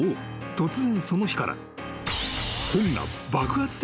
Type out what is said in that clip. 突然その日から］